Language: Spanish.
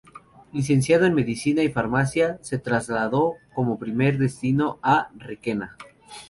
Licenciado en Medicina y Farmacia, se trasladó como primer destino a Requena.